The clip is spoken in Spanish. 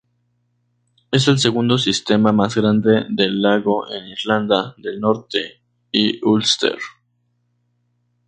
Es el segundo sistema más grande del lago en Irlanda del Norte y Ulster.